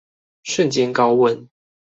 瞬間高溫